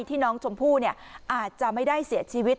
ที่น้องชมพู่อาจจะไม่ได้เสียชีวิต